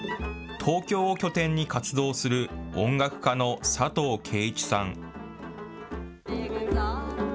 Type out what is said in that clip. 東京を拠点に活動する音楽家の佐藤圭一さん。